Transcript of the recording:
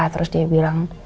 terus dia bilang